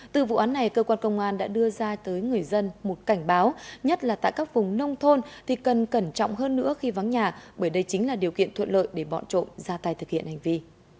từ vụ án này cơ quan công an đã đưa ra tới người dân một cảnh báo nhất là tại các vùng nông thôn thì cần cẩn trọng hơn nữa khi vắng nhà bởi đây chính là điều kiện thuận lợi để bọn trộn ra tay thực hiện hành vi